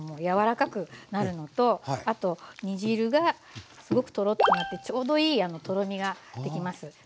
柔らかくなるのとあと煮汁がすごくとろっとなってちょうどいいとろみができます。